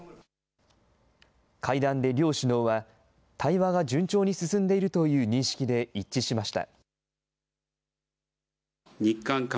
会談で両首脳は、対話が順調に進んでいるという認識で一致しました。